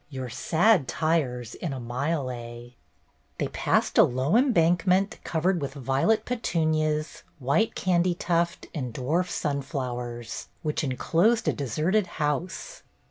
Your sad tires in a mile a.' " They passed a low embankment, covered with violet petunias, white candytuft, and dwarf sunflowers, which enclosed a deserted house.